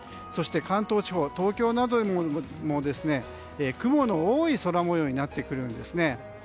そして関東地方、東京などでも雲の多い空模様になってくるんですね。